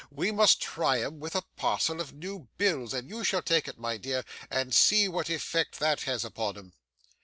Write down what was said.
We must try 'em with a parcel of new bills, and you shall take it, my dear, and see what effect that has upon 'em.